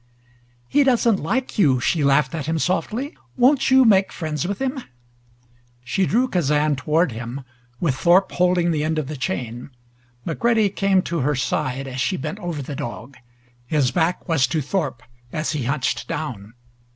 "He doesn't like you," she laughed at him softly. "Won't you make friends with him?" She drew Kazan toward him, with Thorpe holding the end of the chain. McCready came to her side as she bent over the dog. His back was to Thorpe as he hunched down.